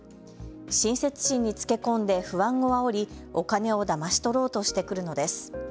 親切心につけ込んで不安をあおりお金をだまし取ろうとしてくるのです。